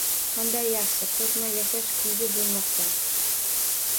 Qanday yaxshi, qo’rqmay yashash kulgu bo’lmoqdan